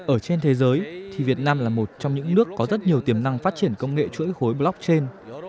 ở trên thế giới thì việt nam là một trong những nước có rất nhiều tiềm năng phát triển công nghệ chuỗi khối blockchain